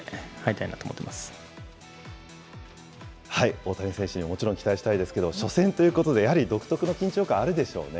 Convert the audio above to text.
大谷選手にももちろん期待したいですけれども、初戦ということで、やはり独特の緊張感あるでしょうね。